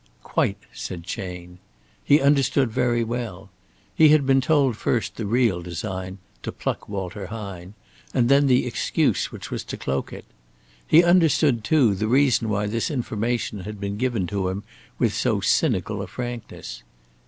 "Quite," said Chayne. He understood very well. He had been told first the real design to pluck Walter Hine and then the excuse which was to cloak it. He understood, too, the reason why this information had been given to him with so cynical a frankness.